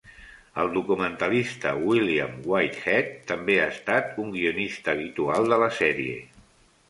El documentalista William Whitehead també ha estat un guionista habitual de la sèrie.